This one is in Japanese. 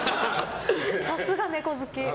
さすが猫好き。